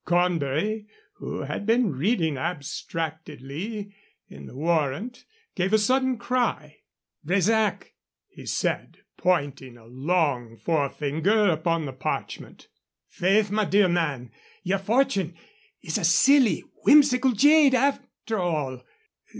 Cornbury, who had been reading abstractedly in the warrant, gave a sudden cry. "Bresac," he said, pointing a long forefinger upon the parchment. "Faith, my dear man, your fortune is a silly, whimsical jade, after all.